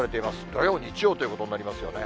土曜、日曜ということになりますよね。